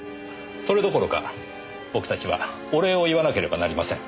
それどころか僕たちはお礼を言わなければなりません。